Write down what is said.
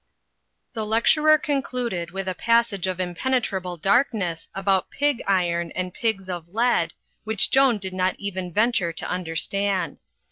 The lecturer concluded with a passage of inpenetra ble darkness about pig iron and pigs of lead, which Joan did not even venture to understand.